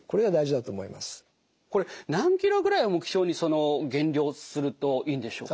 これ何キロぐらいを目標に減量するといいんでしょう？